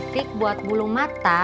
kosmetik buat bulu mata